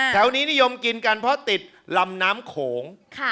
นิยมกินกันเพราะติดลำน้ำโขง